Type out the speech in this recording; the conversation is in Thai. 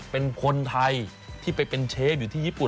เป็นคนไทยที่ไปเป็นเชฟอยู่ที่ญี่ปุ่น